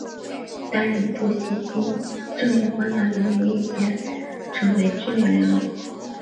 担任驻锡金政务官的人有一些成为知名人物。